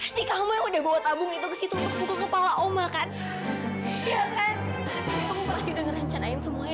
sampai jumpa di video selanjutnya